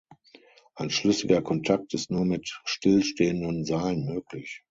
Ein schlüssiger Kontakt ist nur mit stillstehenden Seilen möglich.